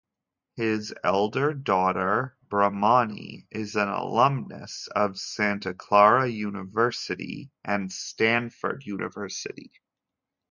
His elder daughter, Brahmani, is an alumnus of Santa Clara University and Stanford University.